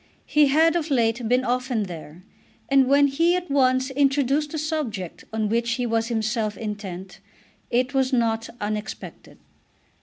He had of late been often there, and when he at once introduced the subject on which he was himself intent it was not unexpected.